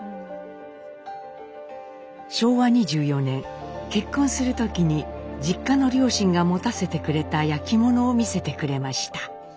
昭和２４年結婚する時に実家の両親が持たせてくれた焼き物を見せてくれました。